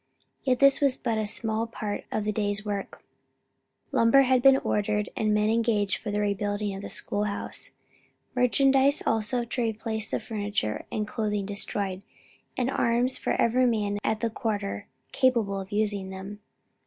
Yet this was but a small part of the day's work: lumber had been ordered, and men engaged for the rebuilding of the school house; merchandise also to replace the furniture and clothing destroyed; and arms for every man at the quarter capable of using them.